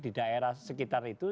di daerah sekitar itu